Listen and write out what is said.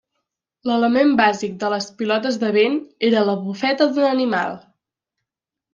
L'element bàsic de les pilotes de vent era la bufeta d'un animal.